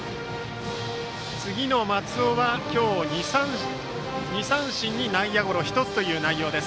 次の松尾は今日２三振に内野ゴロが１つという内容です。